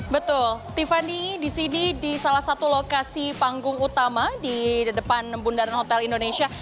betul tiffany di sini di salah satu lokasi panggung utama di depan bundaran hotel indonesia